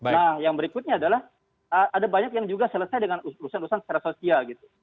nah yang berikutnya adalah ada banyak yang juga selesai dengan urusan urusan secara sosial gitu